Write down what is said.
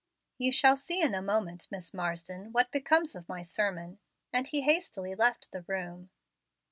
"You shall see in a moment, Miss Marsden what becomes of my sermon," and he hastily left the room.